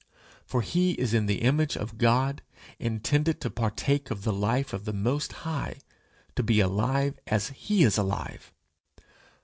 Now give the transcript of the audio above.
For he is in the image of God, intended to partake of the life of the most high, to be alive as he is alive.